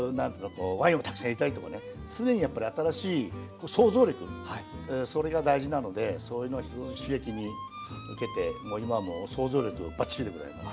こうワインをたくさん入れたりとかね常にやっぱり新しい想像力それが大事なのでそういうのは刺激に受けてもう今もう想像力バッチリでございます。